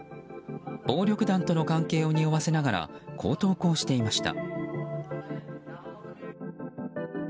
暴力団との関係をにおわせながらこう投稿していました。